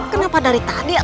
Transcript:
kenapa dari tadi